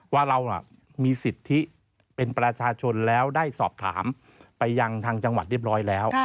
ว่าเรามีสิทธิเป็นประชาชนแล้วได้สอบถามไปยังทางจังหวัดเรียบร้อยแล้ว